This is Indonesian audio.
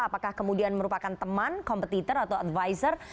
apakah kemudian merupakan teman kompetitor atau advisor